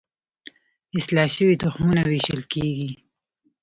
اصلاح شوي تخمونه ویشل کیږي.